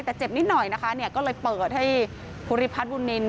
แต่เจ็บนิดหน่อยนะคะก็เลยเปิดให้ภูริพัทรวงินทร์